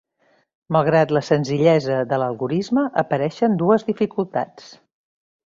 Malgrat la senzillesa de l'algorisme, apareixen dues dificultats.